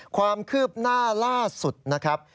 ความคืบหน้าล่าสุดนะครับ